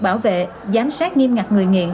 bảo vệ giám sát nghiêm ngặt người nghiện